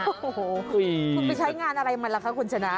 โอ้โหคุณไปใช้งานอะไรมันล่ะคะคุณชนะ